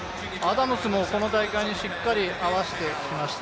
この大会にしっかり合わせてきました。